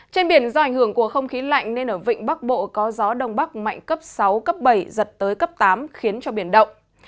trên biển do ảnh hưởng của không khí lạnh nên ở vịnh bắc bộ có gió đông bắc mạnh cấp sáu cấp bảy giật tới cấp tám khiến cho biển động